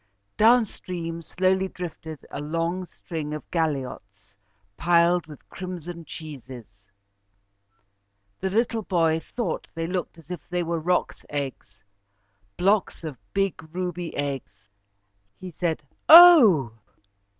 Down stream slowly drifted a long string of galliots piled with crimson cheeses. The little boy thought they looked as if they were roc's eggs, blocks of big ruby eggs. He said, "Oh!"